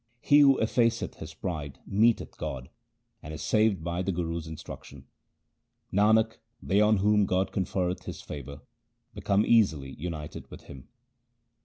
He who effaceth his pride meeteth God, and is saved by the Guru's instruction. Nanak, they on whom God conferreth His favour become easily united with Him.